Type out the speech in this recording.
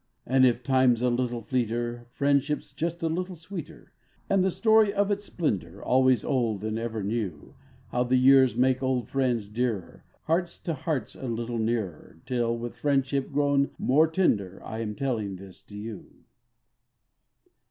y\AJD if time's a little / V fleeter, friendship s just a little sxx>eeter, And the storp o" its splendor AlvOaps old and eVer neu); Hovc> the pears make old friends dearet~, Hearts to hearts a little nearer Till voith friendship pro>xm more tender I am tellina this to ou.